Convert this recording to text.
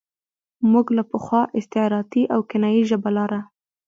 موږ له پخوا استعارتي او کنايي ژبه لاره.